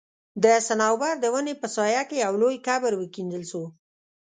د صنوبر د وني په سايه کي يو لوى قبر وکيندل سو